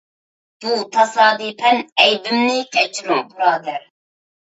بۇ تاسادىپەن ئەيىبىمنى كەچۈرۈڭ، بۇرادەر.